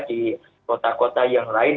di kota kota yang lain